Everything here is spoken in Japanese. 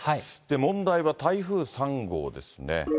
問題は台風３号ですね。